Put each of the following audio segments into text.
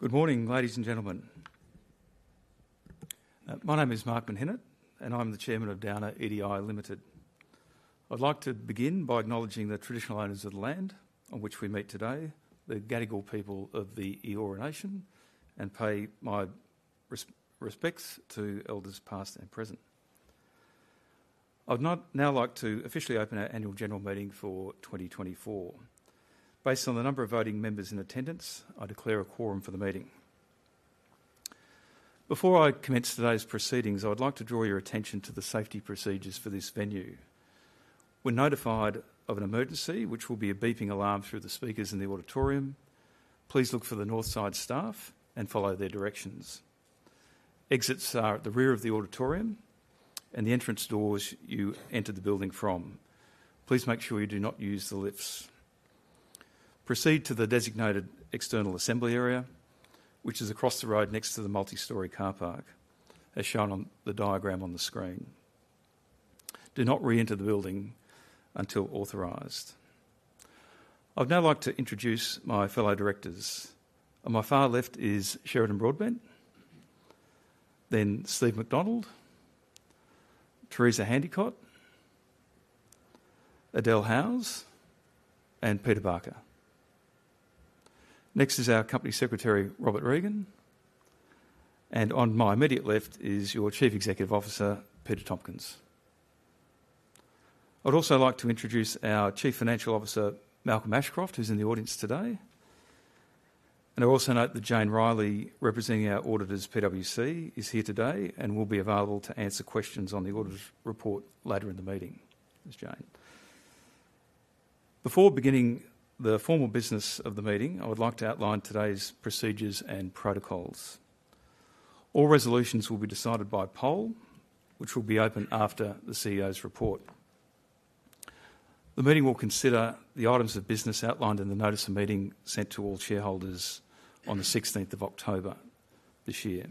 Good morning, ladies and gentlemen. My name is Mark Menhinnitt, and I'm the Chairman of Downer EDI Limited. I'd like to begin by acknowledging the traditional owners of the land on which we meet today, the Gadigal people of the Eora Nation, and pay my respects to Elders past and present. I'd now like to officially open our Annual General Meeting for 2024. Based on the number of voting members in attendance, I declare a quorum for the meeting. Before I commence today's proceedings, I'd like to draw your attention to the safety procedures for this venue. When notified of an emergency, which will be a beeping alarm through the speakers in the auditorium, please look for the north side staff and follow their directions. Exits are at the rear of the auditorium and the entrance doors you enter the building from. Please make sure you do not use the lifts. Proceed to the designated external assembly area, which is across the road next to the multi-story car park, as shown on the diagram on the screen. Do not re-enter the building until authorized. I'd now like to introduce my fellow directors. On my far left is Sheridan Broadbent, then Steve McDonald, Teresa Handicott, Adelle Howse, and Peter Barker. Next is our Company Secretary, Robert Regan, and on my immediate left is your Chief Executive Officer, Peter Tompkins. I'd also like to introduce our Chief Financial Officer, Malcolm Ashcroft, who's in the audience today, and I also note that Jane Reilly, representing our auditors, PwC, is here today and will be available to answer questions on the audit report later in the meeting. Before beginning the formal business of the meeting, I would like to outline today's procedures and protocols. All resolutions will be decided by poll, which will be open after the CEO's report. The meeting will consider the items of business outlined in the notice of meeting sent to all shareholders on the 16th of October this year.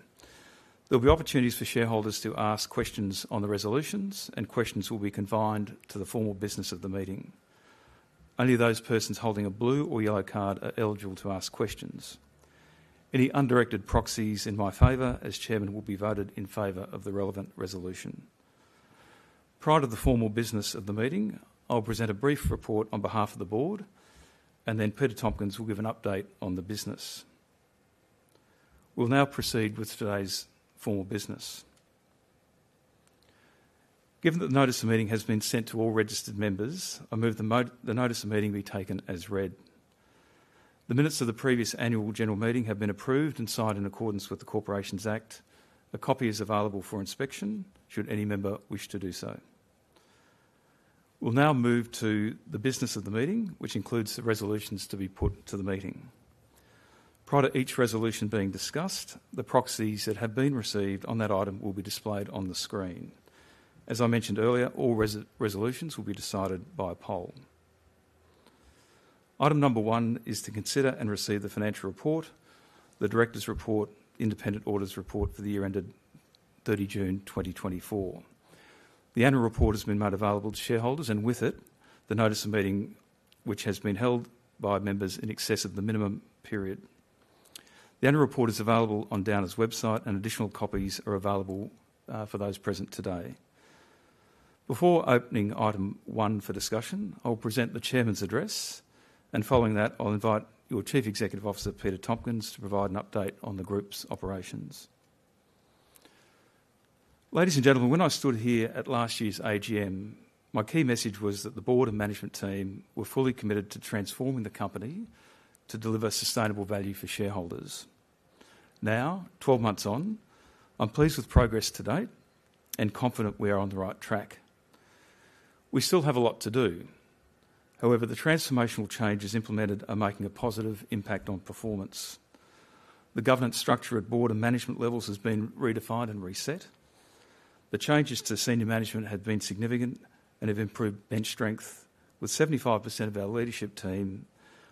There will be opportunities for shareholders to ask questions on the resolutions, and questions will be confined to the formal business of the meeting. Only those persons holding a blue or yellow card are eligible to ask questions. Any undirected proxies in my favor as Chairman will be voted in favor of the relevant resolution. Prior to the formal business of the meeting, I'll present a brief report on behalf of the board, and then Peter Tompkins will give an update on the business. We'll now proceed with today's formal business. Given that the notice of meeting has been sent to all registered members, I move the notice of meeting be taken as read. The minutes of the previous Annual General Meeting have been approved and signed in accordance with the Corporations Act. A copy is available for inspection should any member wish to do so. We'll now move to the business of the meeting, which includes the resolutions to be put to the meeting. Prior to each resolution being discussed, the proxies that have been received on that item will be displayed on the screen. As I mentioned earlier, all resolutions will be decided by poll. Item number one is to consider and receive the financial report, the directors' report, independent auditors' report for the year ended 30 June 2024. The annual report has been made available to shareholders, and with it, the notice of meeting, which has been held by members in excess of the minimum period. The annual report is available on Downer's website, and additional copies are available for those present today. Before opening item one for discussion, I'll present the Chairman's address, and following that, I'll invite your Chief Executive Officer, Peter Tompkins, to provide an update on the group's operations. Ladies and gentlemen, when I stood here at last year's AGM, my key message was that the board and management team were fully committed to transforming the company to deliver sustainable value for shareholders. Now, 12 months on, I'm pleased with progress to date and confident we are on the right track. We still have a lot to do. However, the transformational changes implemented are making a positive impact on performance. The governance structure at board and management levels has been redefined and reset. The changes to senior management have been significant and have improved bench strength, with 75%, of our leadership team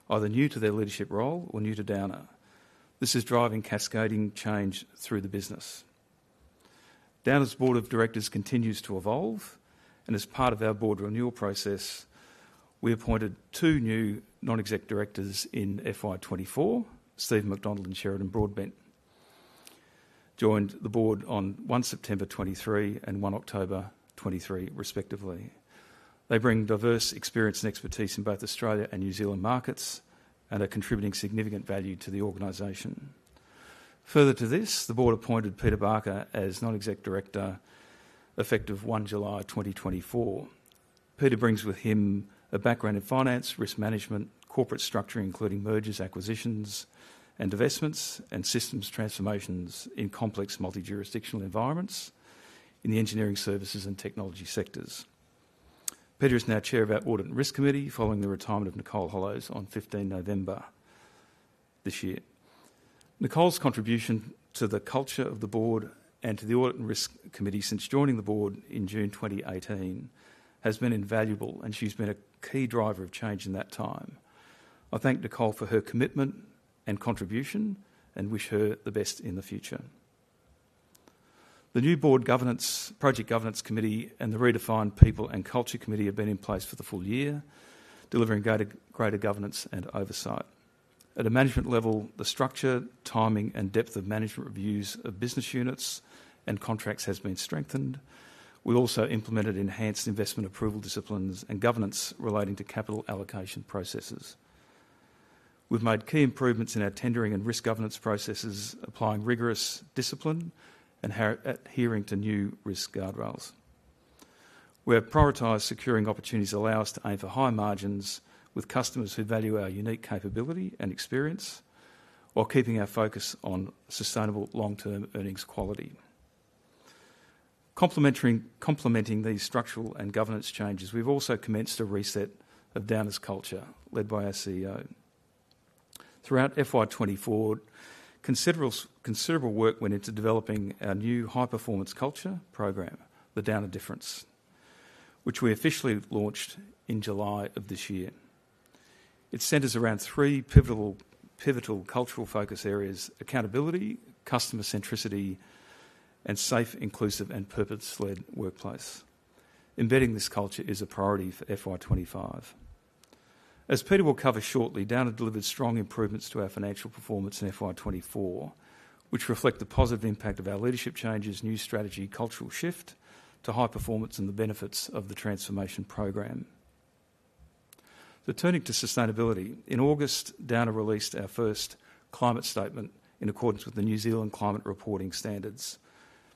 either new to their leadership role or new to Downer. This is driving cascading change through the business. Downer's board of directors continues to evolve, and as part of our board renewal process, we appointed two new non-exec directors in FY24, Steve McDonald and Sheridan Broadbent, joined the board on 1 September 2023 and 1 October 2023, respectively. They bring diverse experience and expertise in both Australia and New Zealand markets and are contributing significant value to the organization. Further to this, the board appointed Peter Barker as non-exec director effective 1 July 2024. Peter brings with him a background in finance, risk management, corporate structure, including mergers, acquisitions, and investments, and systems transformations in complex multi-jurisdictional environments in the engineering, services, and technology sectors. Peter is now Chair of our Audit and Risk Committee following the retirement of Nicole Hollows on 15 November this year. Nicole's contribution to the culture of the Board and to the Audit and Risk Committee since joining the Board in June 2018 has been invaluable, and she's been a key driver of change in that time. I thank Nicole for her commitment and contribution and wish her the best in the future. The new board governance, Project Governance Committee, and the redefined People and Culture Committee have been in place for the full year, delivering greater governance and oversight. At a management level, the structure, timing, and depth of management reviews of business units and contracts have been strengthened. We also implemented enhanced investment approval disciplines and governance relating to capital allocation processes. We've made key improvements in our tendering and risk governance processes, applying rigorous discipline and adhering to new risk guardrails. We have prioritized securing opportunities that allow us to aim for high margins with customers who value our unique capability and experience while keeping our focus on sustainable long-term earnings quality. Complementing these structural and governance changes, we've also commenced a reset of Downer's culture, led by our CEO. Throughout FY24, considerable work went into developing our new high-performance culture program, the Downer Difference, which we officially launched in July of this year. It centers around three pivotal cultural focus areas: accountability, customer centricity, and safe, inclusive, and purpose-led workplace. Embedding this culture is a priority for FY25. As Peter will cover shortly, Downer delivered strong improvements to our financial performance in FY24, which reflect the positive impact of our leadership changes, new strategy, cultural shift to high performance, and the benefits of the transformation program. Returning to sustainability, in August, Downer released our first climate statement in accordance with the New Zealand Climate Reporting Standards,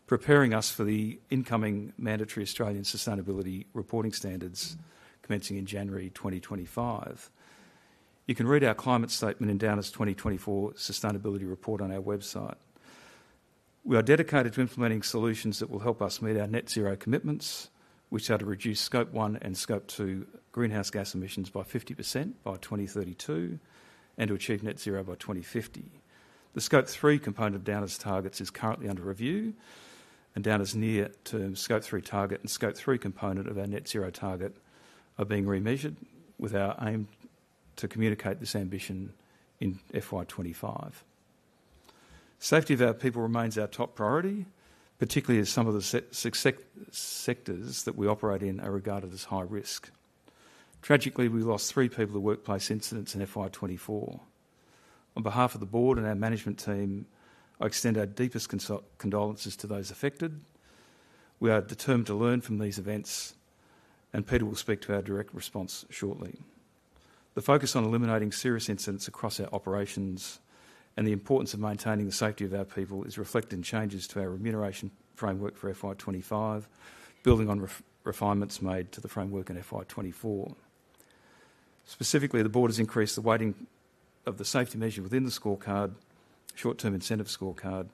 preparing us for the incoming mandatory Australian Sustainability Reporting Standards, commencing in January 2025. You can read our climate statement in Downer's 2024 Sustainability Report on our website. We are dedicated to implementing solutions that will help us meet our net zero commitments, which are to reduce Scope 1 and Scope 2 greenhouse gas emissions by 50%, by 2032 and to achieve net zero by 2050. The Scope 3 component of Downer's targets is currently under review, and Downer's near-term Scope 3 target and Scope 3 component of our Net Zero target are being remeasured with our aim to communicate this ambition in FY25. Safety of our people remains our top priority, particularly as some of the sectors that we operate in are regarded as high risk. Tragically, we lost three people to workplace incidents in FY24. On behalf of the board and our management team, I extend our deepest condolences to those affected. We are determined to learn from these events, and Peter will speak to our direct response shortly. The focus on eliminating serious incidents across our operations and the importance of maintaining the safety of our people is reflected in changes to our remuneration framework for FY25, building on refinements made to the framework in FY24. Specifically, the board has increased the weighting of the safety measure within the scorecard, short-term incentive scorecard.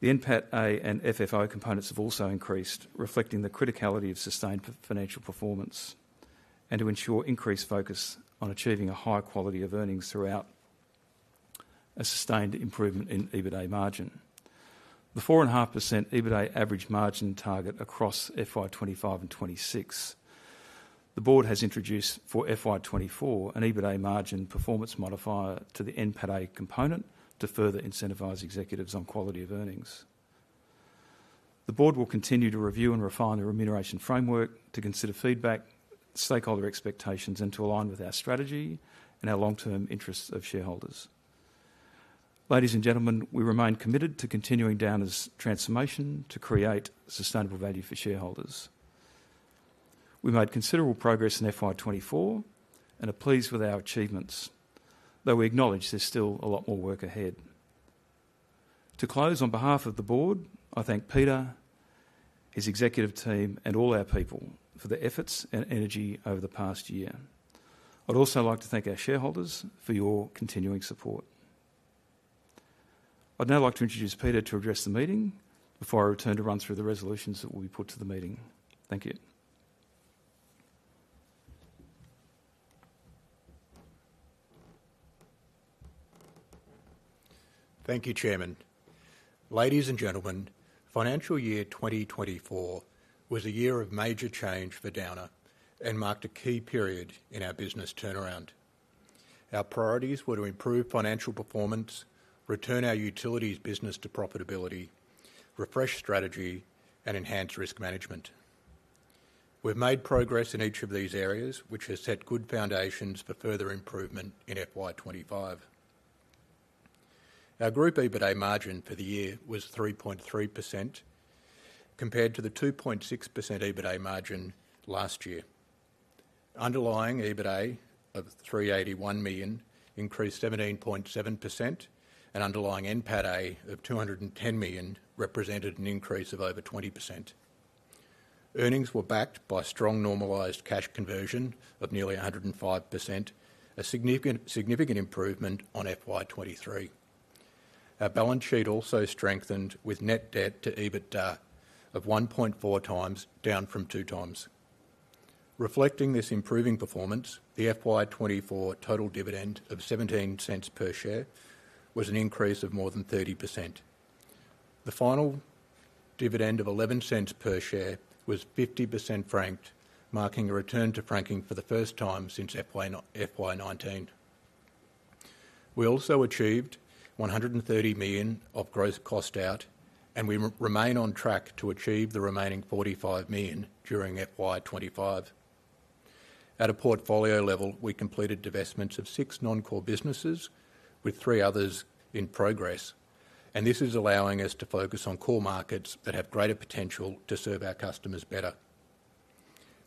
The NPATA and FFO components have also increased, reflecting the criticality of sustained financial performance and to ensure increased focus on achieving a higher quality of earnings throughout a sustained improvement in EBITDA margin. The 4.5%, EBITDA average margin target across FY 2025 and 2026. The board has introduced for FY 2024 an EBITDA margin performance modifier to the NPATA component to further incentivize executives on quality of earnings. The board will continue to review and refine the remuneration framework to consider feedback, stakeholder expectations, and to align with our strategy and our long-term interests of shareholders. Ladies and gentlemen, we remain committed to continuing Downer's transformation to create sustainable value for shareholders. We made considerable progress in FY24 and are pleased with our achievements, though we acknowledge there's still a lot more work ahead. To close, on behalf of the board, I thank Peter, his executive team, and all our people for the efforts and energy over the past year. I'd also like to thank our shareholders for your continuing support. I'd now like to introduce Peter to address the meeting before I return to run through the resolutions that will be put to the meeting. Thank you. Thank you, Chairman. Ladies and gentlemen, financial year 2024 was a year of major change for Downer and marked a key period in our business turnaround. Our priorities were to improve financial performance, return our utilities business to profitability, refresh strategy, and enhance risk management. We've made progress in each of these areas, which has set good foundations for further improvement in FY25. Our group EBITDA margin for the year was 3.3%, compared to the 2.6%, EBITDA margin last year. Underlying EBITDA of 381 million increased 17.7%, and underlying NPATA of 210 million represented an increase of over 20%. Earnings were backed by strong normalised cash conversion of nearly 105%, a significant improvement on FY23. Our balance sheet also strengthened with net debt to EBITDA of 1.4 times, down from two times. Reflecting this improving performance, the FY24 total dividend of 0.17 per share was an increase of more than 30%. The final dividend of 0.11 per share was 50% franked, marking a return to franking for the first time since FY19. We also achieved 130 million of gross cost out, and we remain on track to achieve the remaining 45 million during FY25. At a portfolio level, we completed divestments of six non-core businesses, with three others in progress, and this is allowing us to focus on core markets that have greater potential to serve our customers better.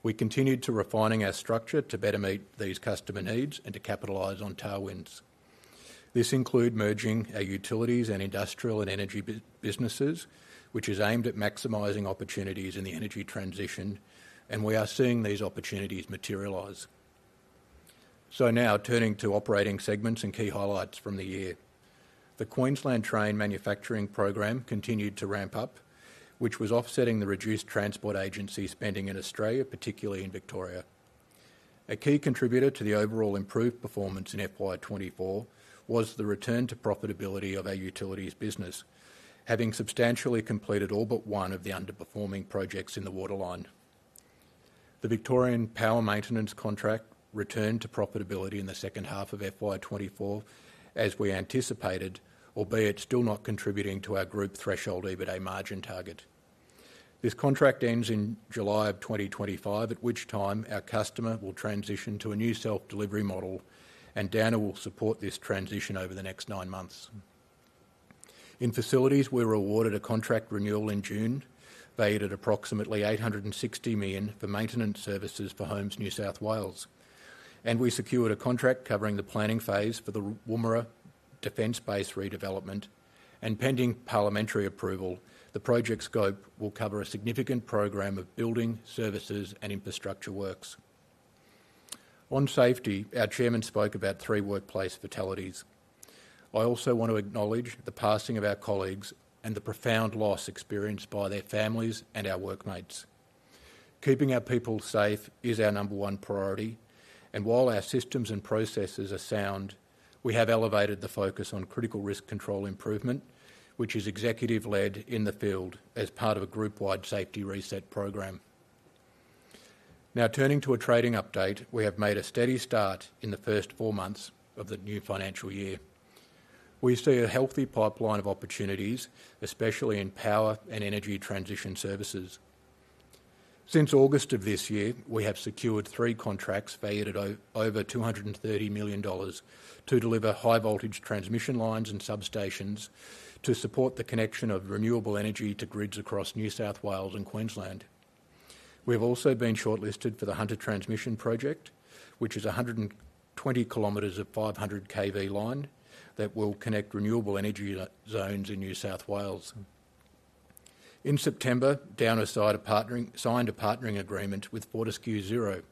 We continued to refine our structure to better meet these customer needs and to capitalize on tailwinds. This includes merging our utilities and industrial and energy businesses, which is aimed at maximizing opportunities in the energy transition, and we are seeing these opportunities materialise. So now, turning to operating segments and key highlights from the year. The Queensland Train Manufacturing Program continued to ramp up, which was offsetting the reduced transport agency spending in Australia, particularly in Victoria. A key contributor to the overall improved performance in FY24 was the return to profitability of our utilities business, having substantially completed all but one of the underperforming projects in the Water line. The Victorian Power Maintenance Contract returned to profitability in the second half of FY24, as we anticipated, albeit still not contributing to our group threshold EBITDA margin target. This contract ends in July of 2025, at which time our customer will transition to a new self-delivery model, and Downer will support this transition over the next nine months. In facilities, we were awarded a contract renewal in June, paid at approximately 860 million for maintenance services for Homes New South Wales, and we secured a contract covering the planning phase for the Woomera Defence Base redevelopment and pending parliamentary approval, the project scope will cover a significant program of building, services, and infrastructure works. On safety, our Chairman spoke about three workplace fatalities. I also want to acknowledge the passing of our colleagues and the profound loss experienced by their families and our workmates. Keeping our people safe is our number one priority, and while our systems and processes are sound, we have elevated the focus on critical risk control improvement, which is executive-led in the field as part of a group-wide safety reset program. Now, turning to a trading update, we have made a steady start in the first four months of the new financial year. We see a healthy pipeline of opportunities, especially in power and energy transition services. Since August of this year, we have secured three contracts paid at over 230 million dollars to deliver high-voltage transmission lines and substations to support the connection of renewable energy to grids across New South Wales and Queensland. We've also been shortlisted for the Hunter Transmission Project, which is a 120 kilometers of 500 kV line that will connect renewable energy zones in New South Wales. In September, Downer signed a partnering agreement with Fortescue Zero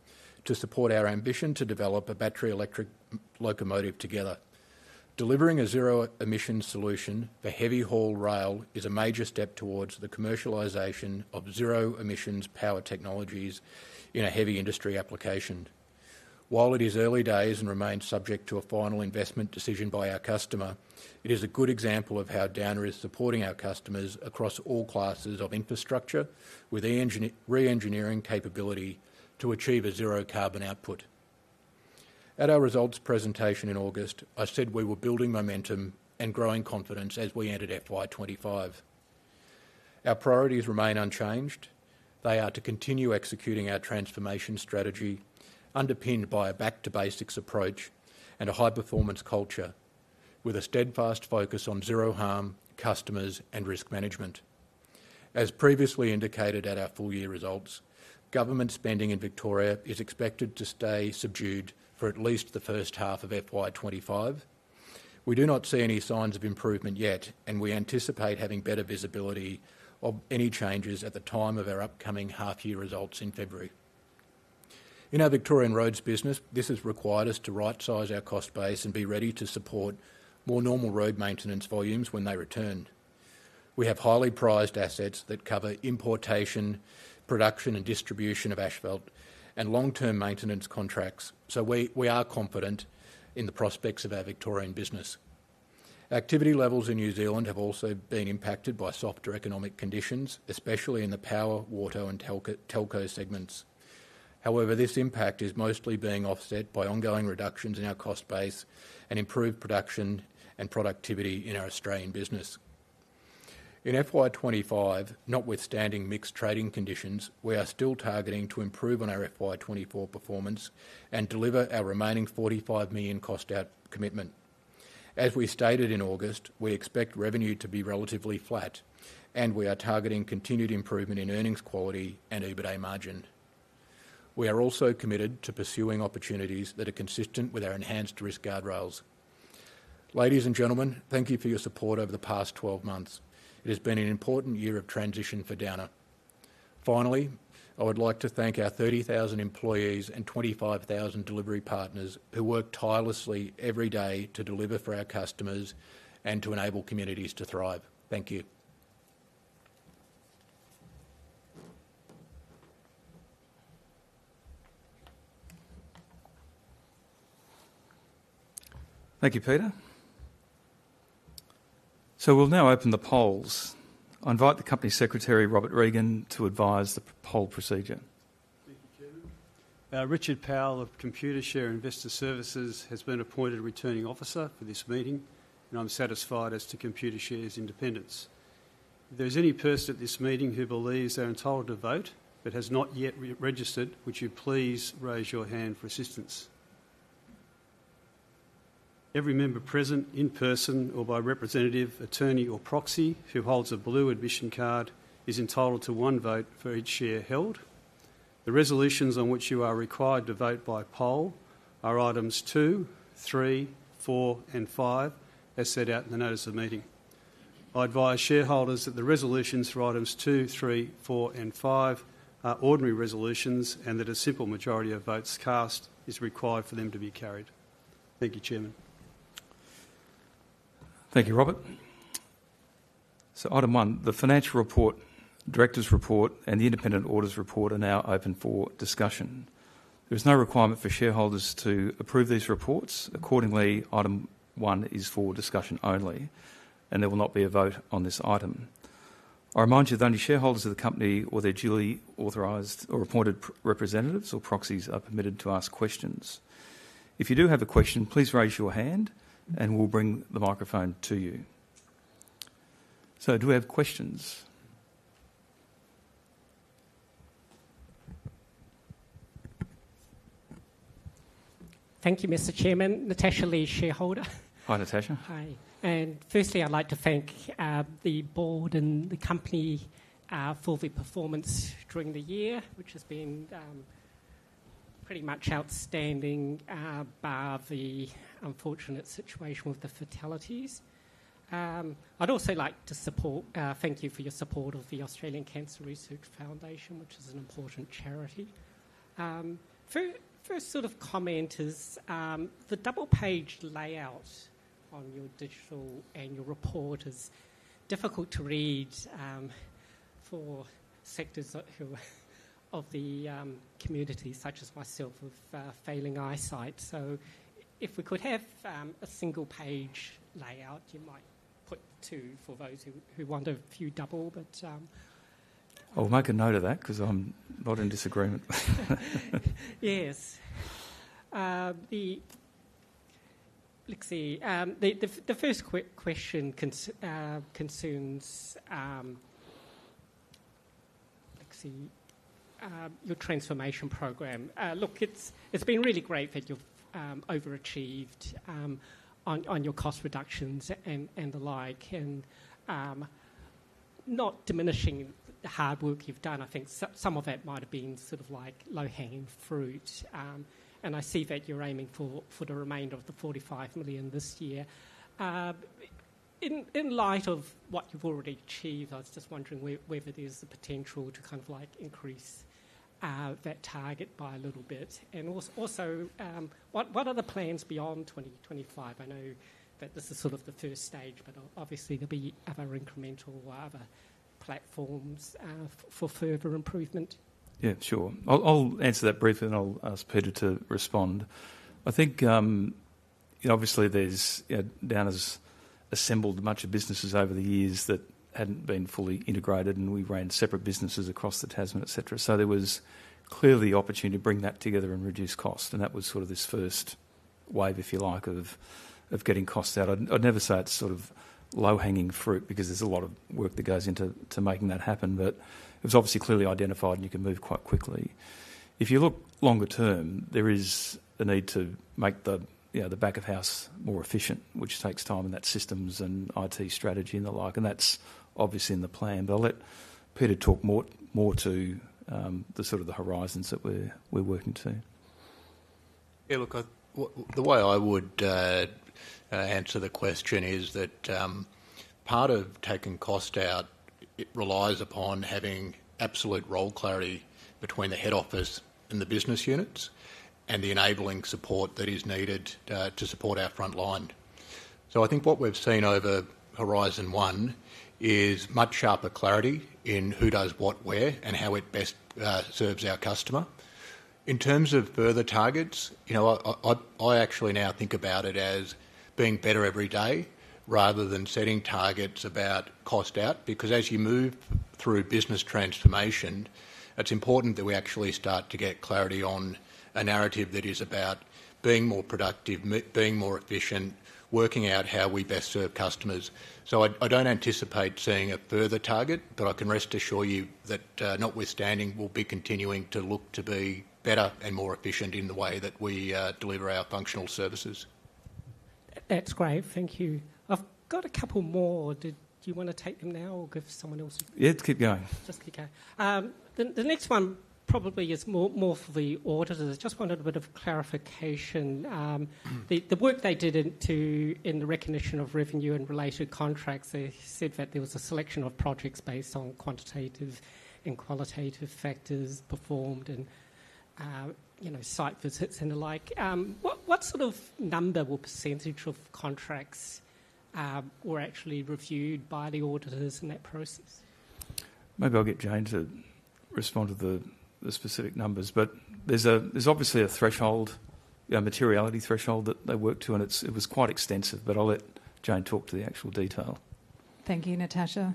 to support our ambition to develop a battery electric locomotive together. Delivering a zero-emission solution for heavy haul rail is a major step towards the commercialisation of zero-emissions power technologies in a heavy industry application. While it is early days and remains subject to a final investment decision by our customer, it is a good example of how Downer is supporting our customers across all classes of infrastructure with re-engineering capability to achieve a zero-carbon output. At our results presentation in August, I said we were building momentum and growing confidence as we entered FY25. Our priorities remain unchanged. They are to continue executing our transformation strategy, underpinned by a back-to-basics approach and a high-performance culture, with a steadfast focus on Zero Harm, customers, and risk management. As previously indicated at our full-year results, government spending in Victoria is expected to stay subdued for at least the first half of FY25. We do not see any signs of improvement yet, and we anticipate having better visibility of any changes at the time of our upcoming half-year results in February. In our Victorian roads business, this has required us to right-size our cost base and be ready to support more normal road maintenance volumes when they return. We have highly prized assets that cover importation, production, and distribution of asphalt, and long-term maintenance contracts, so we are confident in the prospects of our Victorian business. Activity levels in New Zealand have also been impacted by softer economic conditions, especially in the power, water, and Telco segments. However, this impact is mostly being offset by ongoing reductions in our cost base and improved production and productivity in our Australian business. In FY25, notwithstanding mixed trading conditions, we are still targeting to improve on our FY24 performance and deliver our remaining 45 million cost-out commitment. As we stated in August, we expect revenue to be relatively flat, and we are targeting continued improvement in earnings quality and EBITDA margin. We are also committed to pursuing opportunities that are consistent with our enhanced Risk Guardrails. Ladies and gentlemen, thank you for your support over the past 12 months. It has been an important year of transition for Downer. Finally, I would like to thank our 30,000 employees and 25,000 delivery partners who work tirelessly every day to deliver for our customers and to enable communities to thrive. Thank you. Thank you, Peter. So we'll now open the polls. I invite the Company Secretary, Robert Regan, to advise the poll procedure. Thank you, Chairman. Richard Powell of Computershare Investor Services has been appointed returning officer for this meeting, and I'm satisfied as to Computershare's independence. If there's any person at this meeting who believes they're entitled to vote but has not yet registered, would you please raise your hand for assistance? Every member present in person or by representative, attorney, or proxy who holds a blue admission card is entitled to one vote for each share held. The resolutions on which you are required to vote by poll are items two, three, four, and five, as set out in the notice of meeting. I advise shareholders that the resolutions for items two, three, four, and five are ordinary resolutions and that a simple majority of votes cast is required for them to be carried. Thank you, Chairman. Thank you, Robert. So item one, the Financial Report, Director's Report, and the Independent Auditor's Report are now open for discussion. There is no requirement for shareholders to approve these reports. Accordingly, item one is for discussion only, and there will not be a vote on this item. I remind you that only shareholders of the company or their duly authorized or appointed representatives or proxies are permitted to ask questions. If you do have a question, please raise your hand, and we'll bring the microphone to you. So do we have questions? Thank you, Mr. Chairman. Natasha Lee, shareholder. Hi, Natasha. Hi. And firstly, I'd like to thank the board and the company for the performance during the year, which has been pretty much outstanding by the unfortunate situation with the fatalities. I'd also like to support, thank you for your support of the Australian Cancer Research Foundation, which is an important charity. First sort of comment is the double-page layout on your digital and your report is difficult to read for sectors of the community, such as myself, of failing eyesight. So if we could have a single-page layout, you might put two for those who wonder if you double, but. I'll make a note of that because I'm not in disagreement. Yes. Let's see. The first question concerns your transformation program. Look, it's been really great that you've overachieved on your cost reductions and the like. And not diminishing the hard work you've done, I think some of that might have been sort of like low-hanging fruit. And I see that you're aiming for the remainder of the 45 million this year. In light of what you've already achieved, I was just wondering whether there's a potential to kind of like increase that target by a little bit. And also, what are the plans beyond 2025? I know that this is sort of the first stage, but obviously there'll be other incremental platforms for further improvement. Yeah, sure. I'll answer that briefly, and I'll ask Peter to respond. I think obviously Downer's assembled a bunch of businesses over the years that hadn't been fully integrated, and we ran separate businesses across the Tasman, etc. So there was clearly the opportunity to bring that together and reduce cost. And that was sort of this first wave, if you like, of getting costs out. I'd never say it's sort of low-hanging fruit because there's a lot of work that goes into making that happen, but it was obviously clearly identified, and you can move quite quickly. If you look longer term, there is a need to make the back of house more efficient, which takes time and that systems and IT strategy and the like. And that's obviously in the plan. But I'll let Peter talk more to the sort of the horizons that we're working to. Yeah, look, the way I would answer the question is that part of taking cost out relies upon having absolute role clarity between the head office and the business units and the enabling support that is needed to support our front line. So I think what we've seen over Horizon One is much sharper clarity in who does what, where, and how it best serves our customer. In terms of further targets, I actually now think about it as being better every day rather than setting targets about cost out. Because as you move through business transformation, it's important that we actually start to get clarity on a narrative that is about being more productive, being more efficient, working out how we best serve customers. So I don't anticipate seeing a further target, but I can reassure you that notwithstanding, we'll be continuing to look to be better and more efficient in the way that we deliver our functional services. That's great. Thank you. I've got a couple more. Did you want to take them now or give someone else? Yeah, let's keep going. Just keep going. The next one probably is more for the auditors. I just wanted a bit of clarification. The work they did in the recognition of revenue and related contracts, they said that there was a selection of projects based on quantitative and qualitative factors performed and site visits and the like. What sort of number or percentage of contracts were actually reviewed by the auditors in that process? Maybe I'll get Jane to respond to the specific numbers, but there's obviously a threshold, a materiality threshold that they worked to, and it was quite extensive. But I'll let Jane talk to the actual detail. Thank you, Natasha.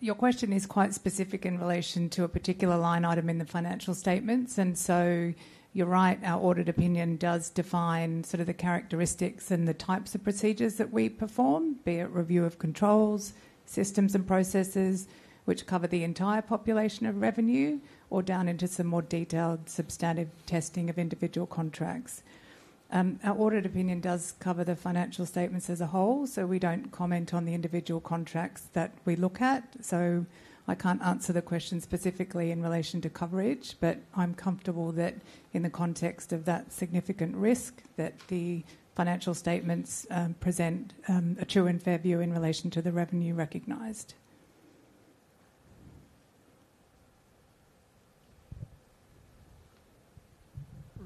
Your question is quite specific in relation to a particular line item in the financial statements. And so you're right, our audit opinion does define sort of the characteristics and the types of procedures that we perform, be it review of controls, systems, and processes, which cover the entire population of revenue, or down into some more detailed substantive testing of individual contracts. Our audit opinion does cover the financial statements as a whole, so we don't comment on the individual contracts that we look at. So I can't answer the question specifically in relation to coverage, but I'm comfortable that in the context of that significant risk, that the financial statements present a true and fair view in relation to the revenue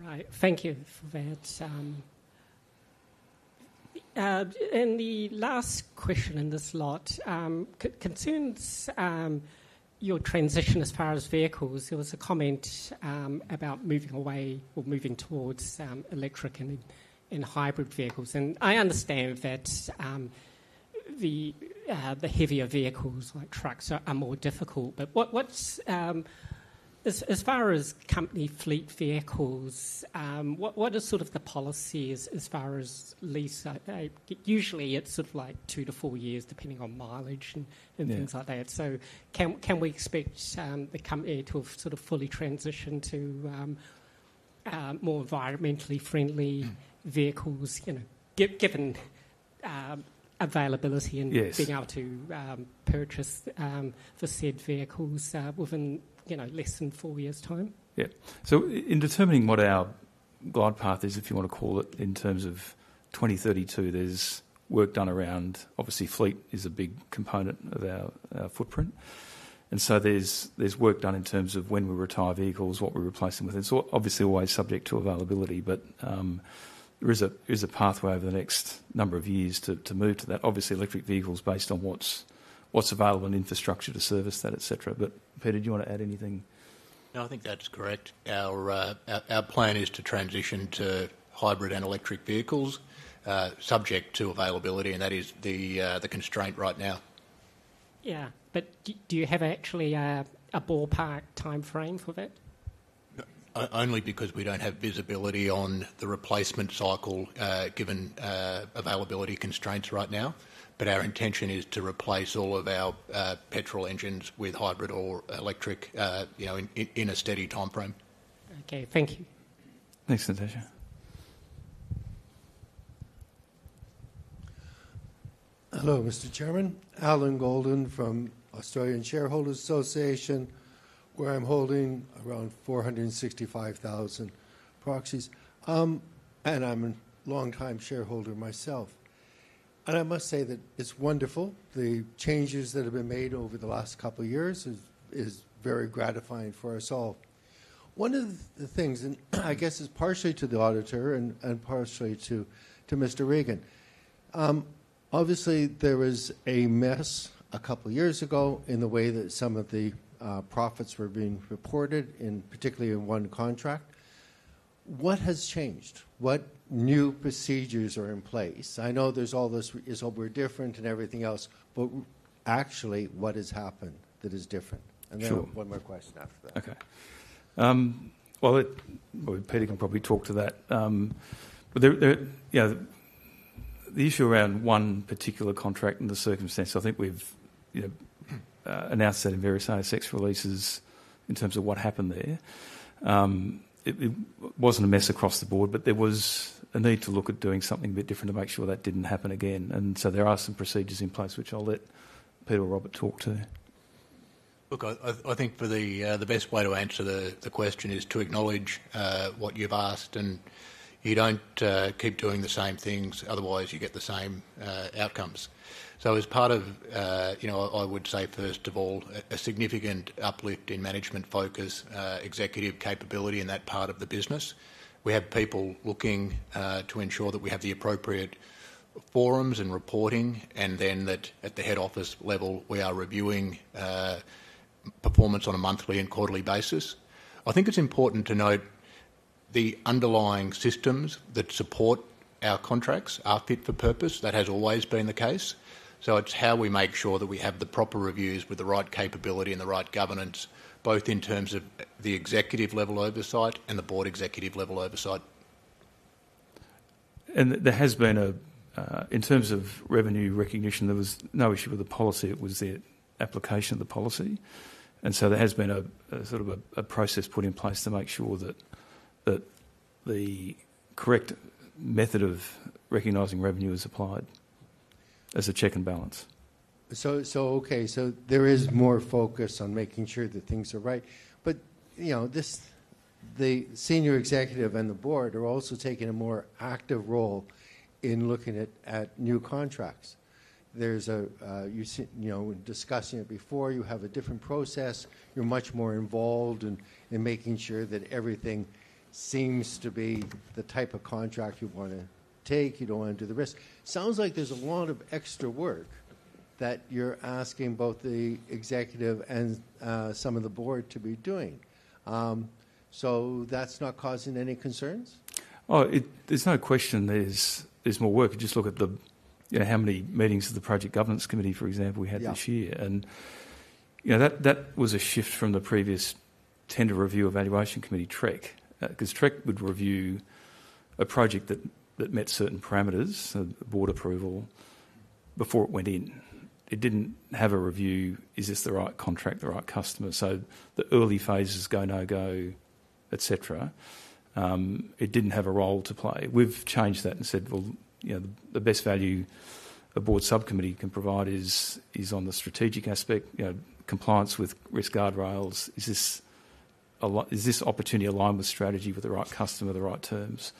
recognized. Right. Thank you for that. And the last question in this slot concerns your transition as far as vehicles. There was a comment about moving away or moving towards electric and hybrid vehicles. And I understand that the heavier vehicles like trucks are more difficult. But as far as company fleet vehicles, what is sort of the policy as far as lease? Usually, it's sort of like two to four years depending on mileage and things like that. So can we expect the company to have sort of fully transitioned to more environmentally friendly vehicles given availability and being able to purchase the said vehicles within less than four years' time? Yeah. So in determining what our guide path is, if you want to call it, in terms of 2032, there's work done around, obviously, fleet is a big component of our footprint. And so there's work done in terms of when we retire vehicles, what we're replacing with it. So obviously, always subject to availability, but there is a pathway over the next number of years to move to that. Obviously, electric vehicles based on what's available in infrastructure to service that, etc. But Peter, do you want to add anything? No, I think that's correct. Our plan is to transition to hybrid and electric vehicles subject to availability, and that is the constraint right now. Yeah. But do you have actually a ballpark timeframe for that? Only because we don't have visibility on the replacement cycle given availability constraints right now, but our intention is to replace all of our petrol engines with hybrid or electric in a steady timeframe. Okay. Thank you. Thanks, Natasha. Hello, Mr. Chairman. Alan Golden from Australian Shareholders Association, where I'm holding around 465,000 proxies, and I'm a longtime shareholder myself. And I must say that it's wonderful. The changes that have been made over the last couple of years are very gratifying for us all. One of the things, and I guess it's partially to the auditor and partially to Mr. Regan, obviously, there was a mess a couple of years ago in the way that some of the profits were being reported, particularly in one contract. What has changed? What new procedures are in place? I know there's all this is over different and everything else, but actually, what has happened that is different? And then one more question after that. Sure. Okay. Well, Peter can probably talk to that. The issue around one particular contract in the circumstance, I think we've announced that in various ASX releases in terms of what happened there. It wasn't a mess across the board, but there was a need to look at doing something a bit different to make sure that didn't happen again. And so there are some procedures in place, which I'll let Peter or Robert talk to. Look, I think for the best way to answer the question is to acknowledge what you've asked, and you don't keep doing the same things, otherwise you get the same outcomes. So as part of, I would say, first of all, a significant uplift in management focus, executive capability in that part of the business. We have people looking to ensure that we have the appropriate forums and reporting, and then that at the head office level, we are reviewing performance on a monthly and quarterly basis. I think it's important to note the underlying systems that support our contracts are fit for purpose. That has always been the case. So it's how we make sure that we have the proper reviews with the right capability and the right governance, both in terms of the executive level oversight and the board executive level oversight. There has been a, in terms of revenue recognition, there was no issue with the policy. It was the application of the policy. So there has been a sort of a process put in place to make sure that the correct method of recognizing revenue is applied as a check and balance. So, okay, so there is more focus on making sure that things are right. But the senior executive and the board are also taking a more active role in looking at new contracts. There's a, you're discussing it before, you have a different process, you're much more involved in making sure that everything seems to be the type of contract you want to take, you don't want to do the risk. Sounds like there's a lot of extra work that you're asking both the executive and some of the board to be doing. So that's not causing any concerns? Oh, it's not a question. There's more work. Just look at how many meetings of the Project Governance Committee, for example, we had this year. And that was a shift from the previous Tender Review Evaluation Committee, TREC, because TREC would review a project that met certain parameters, board approval, before it went in. It didn't have a review, is this the right contract, the right customer? So the early phases, go no-go, etc. It didn't have a role to play. We've changed that and said, well, the best value a board subcommittee can provide is on the strategic aspect, compliance with Risk Guardrails. Is this opportunity aligned with strategy with the right customer, the right terms?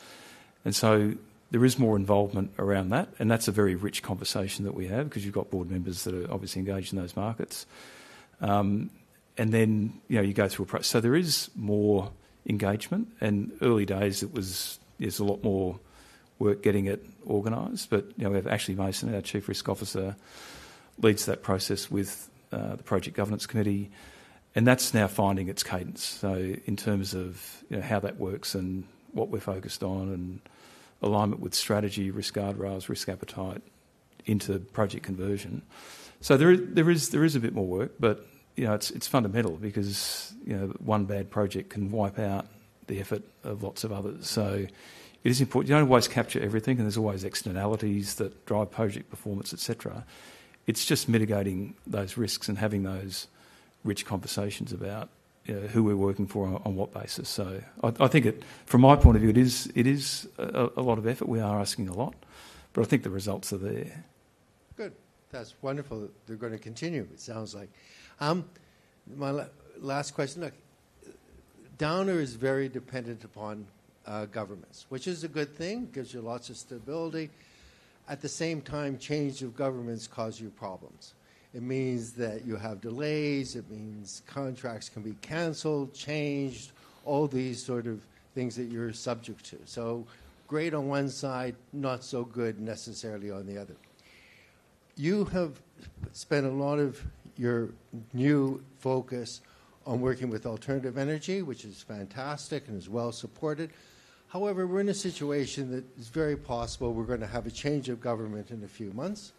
And so there is more involvement around that. And that's a very rich conversation that we have because you've got board members that are obviously engaged in those markets. And then you go through a process. So there is more engagement. In early days, it was. There's a lot more work getting it organized. But we have Ashley Mason, our Chief Risk Officer, [who] leads that process with the Project Governance Committee. And that's now finding its cadence. So in terms of how that works and what we're focused on and alignment with strategy, Risk Guardrails, risk appetite into project conversion. So there is a bit more work, but it's fundamental because one bad project can wipe out the effort of lots of others. So it is important. You don't always capture everything, and there's always externalities that drive project performance, etc. It's just mitigating those risks and having those rich conversations about who we're working for on what basis. So I think from my point of view, it is a lot of effort. We are asking a lot, but I think the results are there. Good. That's wonderful that they're going to continue, it sounds like. My last question. Look, Downer is very dependent upon governments, which is a good thing. It gives you lots of stability. At the same time, change of governments causes you problems. It means that you have delays. It means contracts can be canceled, changed, all these sort of things that you're subject to. So great on one side, not so good necessarily on the other. You have spent a lot of your new focus on working with alternative energy, which is fantastic and is well supported. However, we're in a situation that it's very possible we're going to have a change of government in a few months.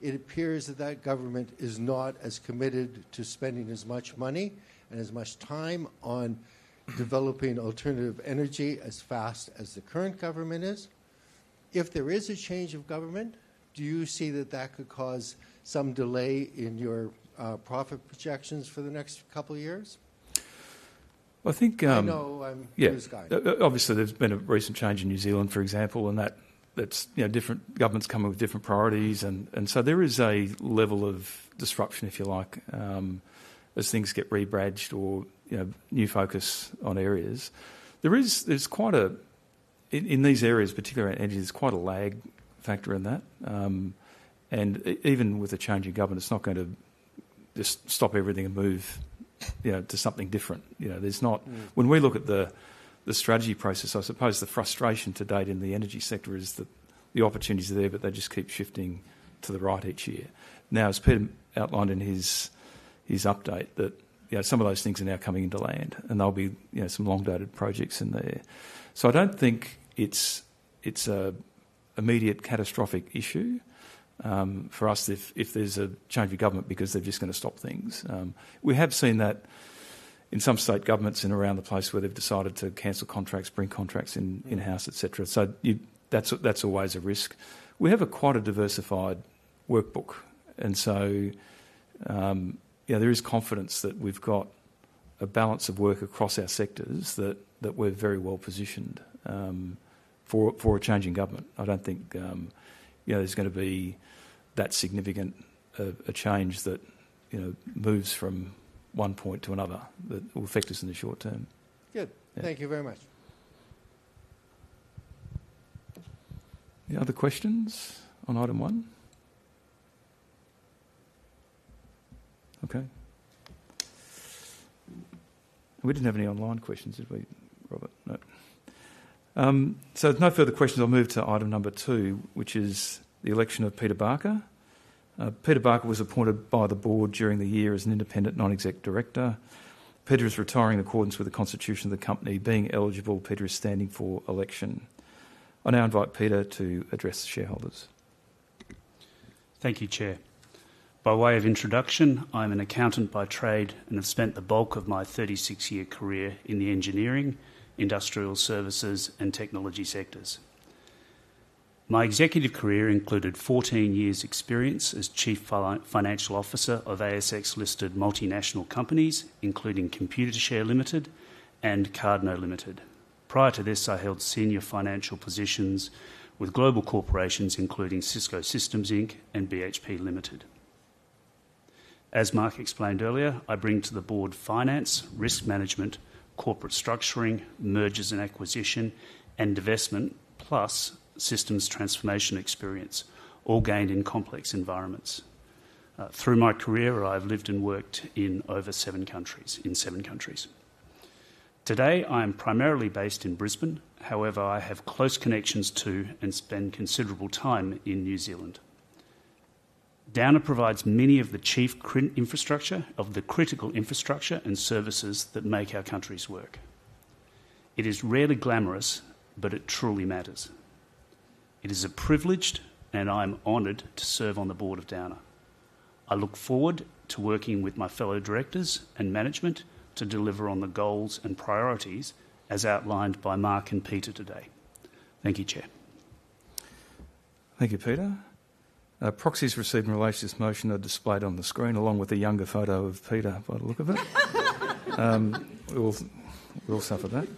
It appears that that government is not as committed to spending as much money and as much time on developing alternative energy as fast as the current government is. If there is a change of government, do you see that that could cause some delay in your profit projections for the next couple of years? Well, I think. No, I'm just going. Yeah. Obviously, there's been a recent change in New Zealand, for example, and that's different governments coming with different priorities. And so there is a level of disruption, if you like, as things get rebadged or new focus on areas. There's quite a, in these areas, particularly in energy, there's quite a lag factor in that. And even with a change in government, it's not going to just stop everything and move to something different. When we look at the strategy process, I suppose the frustration to date in the energy sector is that the opportunities are there, but they just keep shifting to the right each year. Now, as Peter outlined in his update, that some of those things are now coming into land, and there'll be some long-dated projects in there. I don't think it's an immediate catastrophic issue for us if there's a change of government because they're just going to stop things. We have seen that in some state governments and around the place where they've decided to cancel contracts, bring contracts in-house, etc. That's always a risk. We have quite a diversified workbook. There is confidence that we've got a balance of work across our sectors that we're very well positioned for a change in government. I don't think there's going to be that significant a change that moves from one point to another that will affect us in the short term. Good. Thank you very much. Any other questions on item one? Okay. We didn't have any online questions, did we, Robert? No. So if no further questions, I'll move to item number two, which is the election of Peter Barker. Peter Barker was appointed by the board during the year as an independent non-exec director. Peter is retiring in accordance with the constitution of the company. Being eligible, Peter is standing for election. I now invite Peter to address shareholders. Thank you, Chair. By way of introduction, I'm an accountant by trade and have spent the bulk of my 36-year career in the engineering, industrial services, and technology sectors. My executive career included 14 years' experience as chief financial officer of ASX-listed multinational companies, including Computershare Limited and Cardno Limited. Prior to this, I held senior financial positions with global corporations, including Cisco Systems Inc. and BHP Limited. As Mark explained earlier, I bring to the board finance, risk management, corporate structuring, mergers and acquisition, and divestment, plus systems transformation experience, all gained in complex environments. Through my career, I've lived and worked in over seven countries. Today, I am primarily based in Brisbane. However, I have close connections to and spend considerable time in New Zealand. Downer provides many of the chief infrastructure of the critical infrastructure and services that make our countries work. It is rarely glamorous, but it truly matters. It is a privilege, and I'm honored to serve on the board of Downer. I look forward to working with my fellow directors and management to deliver on the goals and priorities as outlined by Mark and Peter today. Thank you, Chair. Thank you, Peter. Proxies received in relation to this motion are displayed on the screen along with a younger photo of Peter. I've had a look at it. We'll suffer that.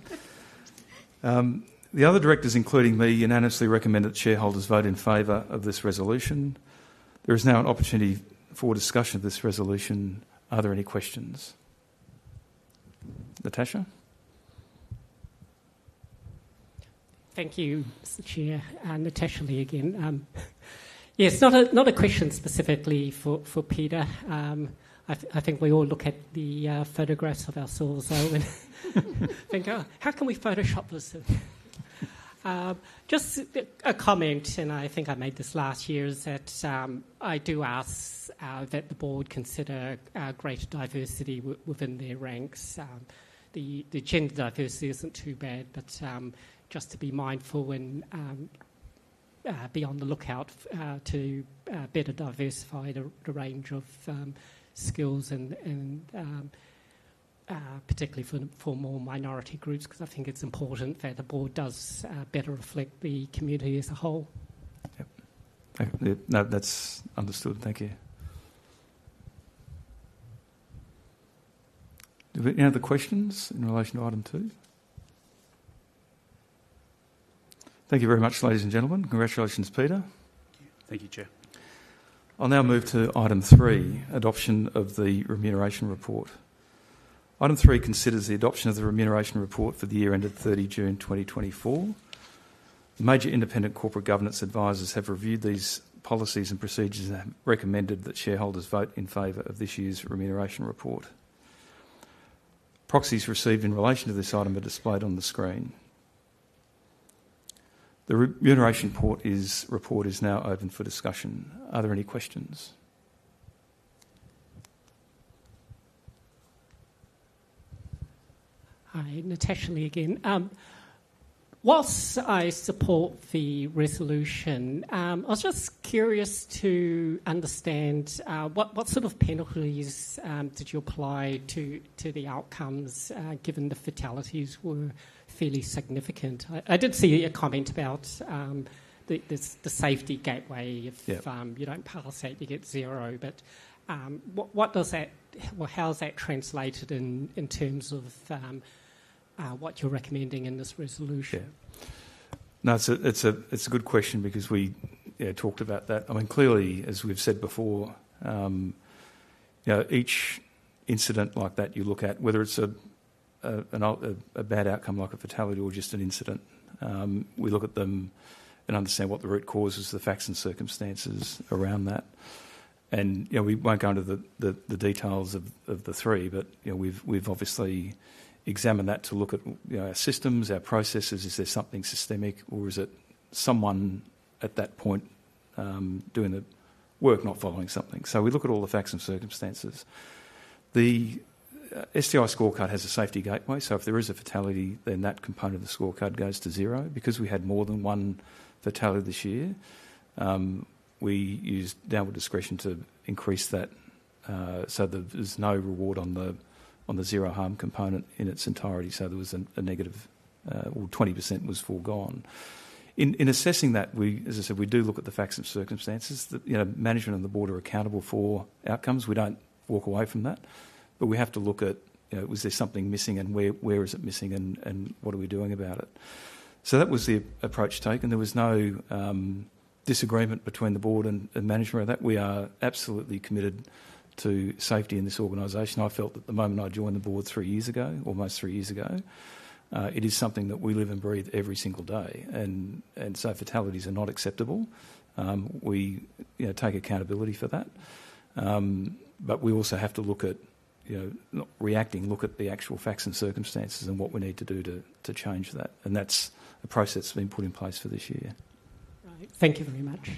The other directors, including me, unanimously recommend that shareholders vote in favor of this resolution. There is now an opportunity for discussion of this resolution. Are there any questions? Natasha? Thank you, Mr. Chair. Natasha Lee again. Yes, not a question specifically for Peter. I think we all look at the photographs of ourselves and think, "Oh, how can we Photoshop this?" Just a comment, and I think I made this last year, is that I do ask that the board consider greater diversity within their ranks. The gender diversity isn't too bad, but just to be mindful and be on the lookout to better diversify the range of skills, particularly for more minority groups, because I think it's important that the board does better reflect the community as a whole. Yep. That's understood. Thank you. Do we have any other questions in relation to item two? Thank you very much, ladies and gentlemen. Congratulations, Peter. Thank you, Chair. I'll now move to item three, adoption of the remuneration report. Item three considers the adoption of the remuneration report for the year ended 30 June 2024. Major independent corporate governance advisors have reviewed these policies and procedures and have recommended that shareholders vote in favor of this year's remuneration report. Proxies received in relation to this item are displayed on the screen. The remuneration report is now open for discussion. Are there any questions? Hi, Natasha Lee again. While I support the resolution, I was just curious to understand what sort of penalties did you apply to the outcomes given the fatalities were fairly significant? I did see a comment about the safety gateway. If you don't pass it, you get zero. But what does that, or how is that translated in terms of what you're recommending in this resolution? Yeah. No, it's a good question because we talked about that. I mean, clearly, as we've said before, each incident like that you look at, whether it's a bad outcome like a fatality or just an incident, we look at them and understand what the root cause is, the facts and circumstances around that. And we won't go into the details of the three, but we've obviously examined that to look at our systems, our processes. Is there something systemic, or is it someone at that point doing the work, not following something? So we look at all the facts and circumstances. The STI scorecard has a safety gateway. So if there is a fatality, then that component of the scorecard goes to zero. Because we had more than one fatality this year, we used Downer discretion to increase that so there's no reward on the zero harm component in its entirety. So there was a negative, or 20% was foregone. In assessing that, as I said, we do look at the facts and circumstances. Management and the board are accountable for outcomes. We don't walk away from that. But we have to look at, was there something missing and where is it missing and what are we doing about it? So that was the approach taken. There was no disagreement between the board and management of that. We are absolutely committed to safety in this organization. I felt that the moment I joined the board three years ago, almost three years ago, it is something that we live and breathe every single day. And so fatalities are not acceptable. We take accountability for that, but we also have to look at reacting, look at the actual facts and circumstances and what we need to do to change that, and that's a process that's been put in place for this year. Right. Thank you very much.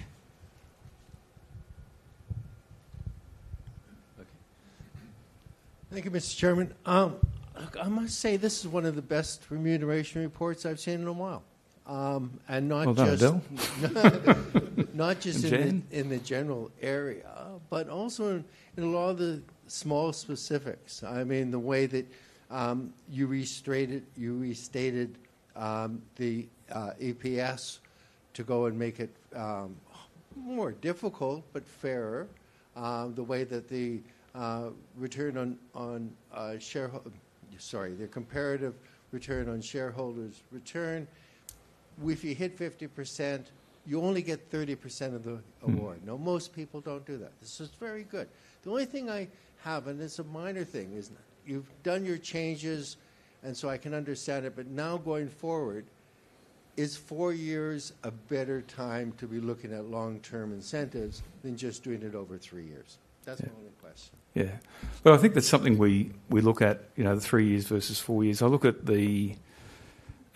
Okay. Thank you, Mr. Chairman. I must say this is one of the best remuneration reports I've seen in a while, and not just. Not just Bill? Not just in the general area, but also in a lot of the small specifics. I mean, the way that you restated the EPS to go and make it more difficult, but fairer, the way that the return on shareholders, sorry, the comparative return on shareholders' return, if you hit 50%, you only get 30% of the award. Now, most people don't do that. This is very good. The only thing I have, and it's a minor thing, is you've done your changes, and so I can understand it. But now going forward, is four years a better time to be looking at long-term incentives than just doing it over three years? That's my only question. Yeah. Well, I think that's something we look at, the three years versus four years. I look at the,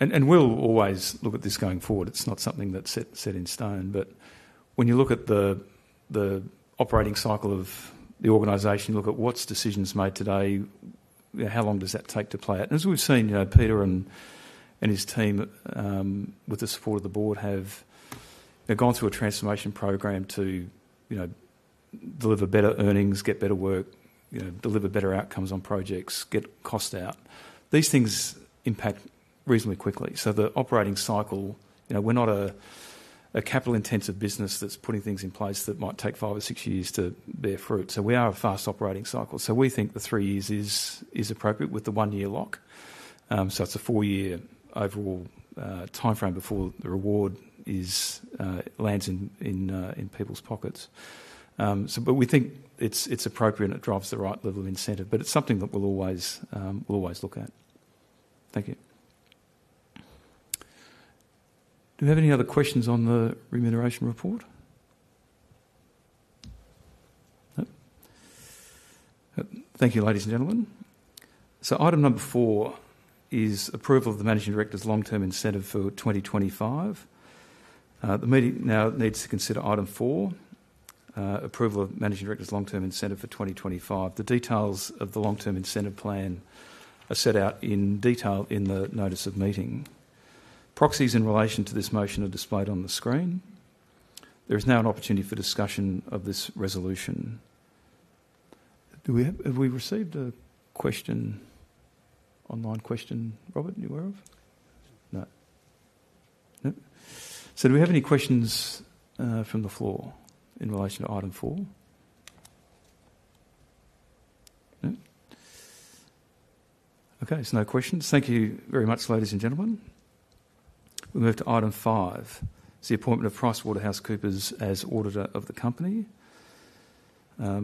and we'll always look at this going forward. It's not something that's set in stone. But when you look at the operating cycle of the organization, you look at what decisions made today, how long does that take to play out? And as we've seen, Peter and his team, with the support of the board, have gone through a transformation program to deliver better earnings, get better work, deliver better outcomes on projects, get cost out. These things impact reasonably quickly. So the operating cycle, we're not a capital-intensive business that's putting things in place that might take five or six years to bear fruit. So we are a fast operating cycle. So we think the three years is appropriate with the one-year lock. So it's a four-year overall timeframe before the reward lands in people's pockets. But we think it's appropriate and it drives the right level of incentive. But it's something that we'll always look at. Thank you. Do we have any other questions on the remuneration report? No? Thank you, ladies and gentlemen. So item number four is approval of the managing director's long-term incentive for 2025. The meeting now needs to consider item four, approval of managing director's long-term incentive for 2025. The details of the long-term incentive plan are set out in detail in the notice of meeting. Proxies in relation to this motion are displayed on the screen. There is now an opportunity for discussion of this resolution. Have we received a question, online question, Robert, are you aware of? No? No? So do we have any questions from the floor in relation to item four? No? Okay, there is no questions. Thank you very much, ladies and gentlemen. We move to item five, the appointment of Price Waterhouse Coopers as auditor of the company.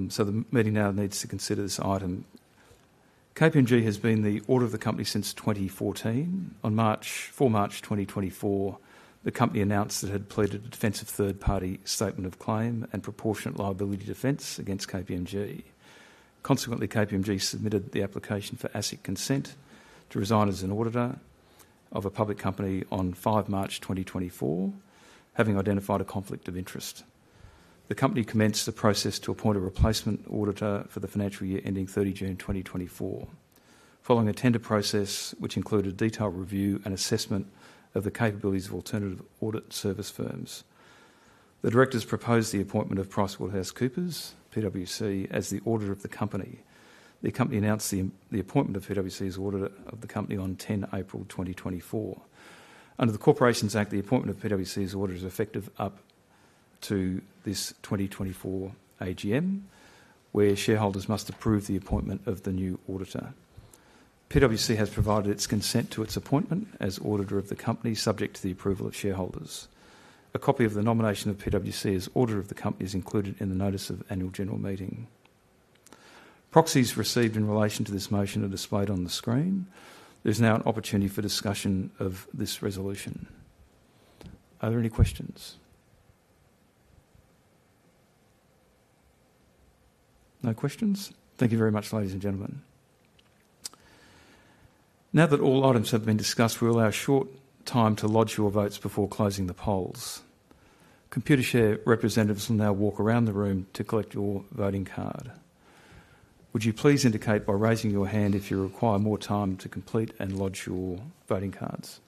So the meeting now needs to consider this item. KPMG has been the auditor of the company since 2014. On 4 March 2024, the company announced it had pleaded a defence of third-party statement of claim and proportionate liability defence against KPMG. Consequently, KPMG submitted the application for ASIC consent to resign as an auditor of a public company on 5 March 2024, having identified a conflict of interest. The company commenced the process to appoint a replacement auditor for the financial year ending 30 June 2024, following a tender process which included detailed review and assessment of the capabilities of alternative audit service firms. The directors proposed the appointment of Price Waterhouse Coopers, PwC, as the auditor of the company. The company announced the appointment of PwC as auditor of the company on 10 April 2024. Under the Corporations Act, the appointment of PwC as auditor is effective up to this 2024 AGM, where shareholders must approve the appointment of the new auditor. PwC has provided its consent to its appointment as auditor of the company, subject to the approval of shareholders. A copy of the nomination of PwC as auditor of the company is included in the notice of annual general meeting. Proxies received in relation to this motion are displayed on the screen. There's now an opportunity for discussion of this resolution. Are there any questions? No questions? Thank you very much, ladies and gentlemen. Now that all items have been discussed, we'll allow short time to lodge your votes before closing the polls. Computershare representatives will now walk around the room to collect your voting card. Would you please indicate by raising your hand if you require more time to complete and lodge your voting cards?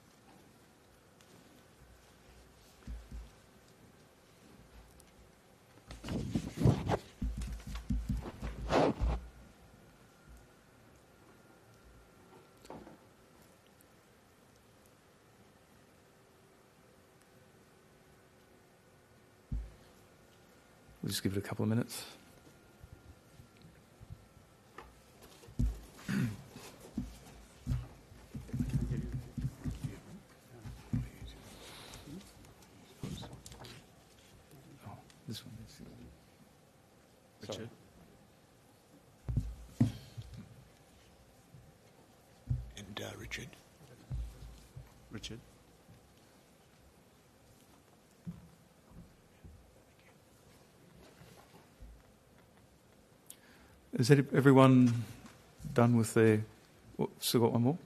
We'll just give it a couple of minutes. Oh, this one. Richard. And Richard. Richard. Is everyone done? Still got one more?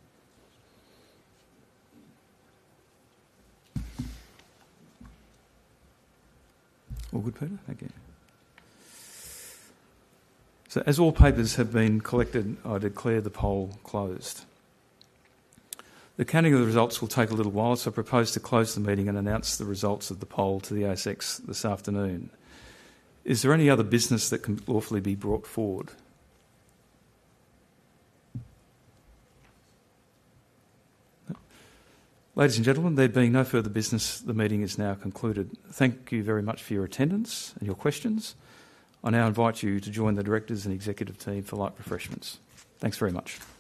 All good, Peter? Thank you. So as all papers have been collected, I declare the poll closed. The counting of the results will take a little while, so I propose to close the meeting and announce the results of the poll to the ASX this afternoon. Is there any other business that can lawfully be brought forward? No? Ladies and gentlemen, there being no further business, the meeting is now concluded. Thank you very much for your attendance and your questions. I now invite you to join the directors and executive team for light refreshments. Thanks very much.